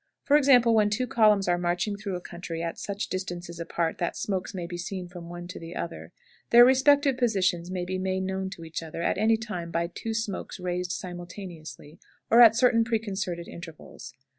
For example, when two columns are marching through a country at such distances apart that smokes may be seen from one to the other, their respective positions may be made known to each other at any time by two smokes raised simultaneously or at certain preconcerted intervals.